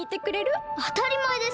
あたりまえです！